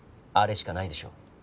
あれしかないでしょう。